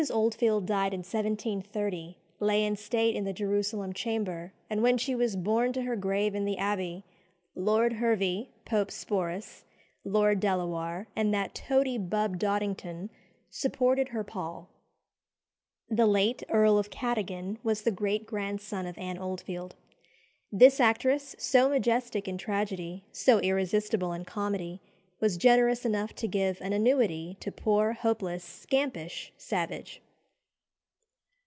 Oldfield died in 1730, lay in state in the Jerusalem Chamber, and when she was borne to her grave in the Abbey, Lord Hervey (Pope's "Sporus"), Lord Delawarr, and that toady Bubb Doddington, supported her pall. The late Earl of Cadogan was the great grandson of Anne Oldfield. This actress, so majestic in tragedy, so irresistible in comedy, was generous enough to give an annuity to poor, hopeless, scampish Savage.